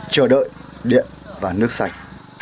chờ đợi điện và nước sạch